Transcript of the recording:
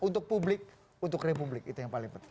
untuk publik untuk republik itu yang paling penting